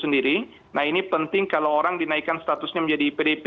nah ini penting kalau orang dinaikkan statusnya menjadi pdp